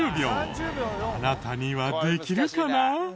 あなたにはできるかな？